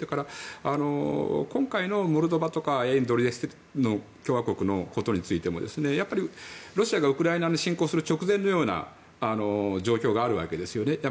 だから、今回のモルドバとか沿ドニエストル共和国のことについてもやっぱりロシアがウクライナに侵攻する直前のような状況があるわけですよね。